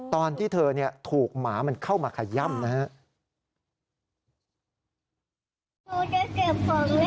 ตอนที่เธอถูกหมามันเข้ามาขย่ำนะครับ